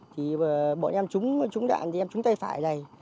thì bọn em trúng đạn thì em trúng tay phải này